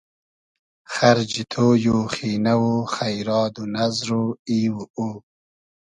خئرجی تۉی و خینۂ و خݷراد و نئزر و ای و او